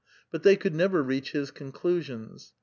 But they could never reach his conclusions.